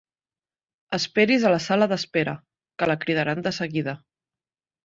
Esperi's a la sala d'espera, que la cridaran de seguida.